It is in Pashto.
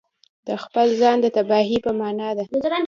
د خپل ځان د تباهي په معنا ده.